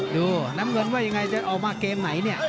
ดูน้ำเงินว่ายังไงเดินออกมาเกมไหนเนี่ย